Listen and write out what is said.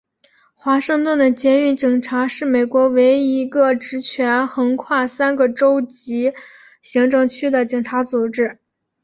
华盛顿的捷运警察是美国唯一一个职权横跨三个州级行政区的警察组织。